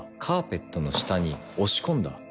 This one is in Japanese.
カーペットの下に押し込んだ。